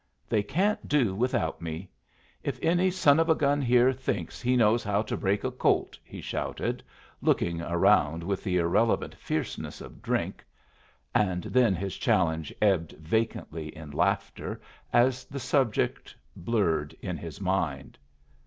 They can't do without me! If any son of a gun here thinks he knows how to break a colt," he shouted, looking around with the irrelevant fierceness of drink and then his challenge ebbed vacantly in laughter as the subject blurred in his mind.